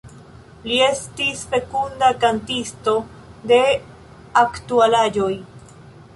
Li estis fekunda kantisto de aktualaĵoj.